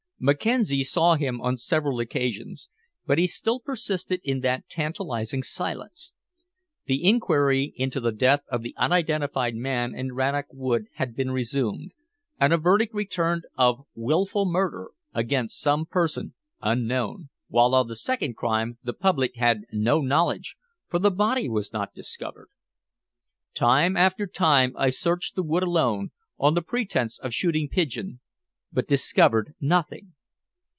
Mackenzie saw him on several occasions, but he still persisted in that tantalizing silence. The inquiry into the death of the unidentified man in Rannoch Wood had been resumed, and a verdict returned of willful murder against some person unknown, while of the second crime the public had no knowledge, for the body was not discovered. Time after time I searched the wood alone, on the pretense of shooting pigeon, but discovered nothing.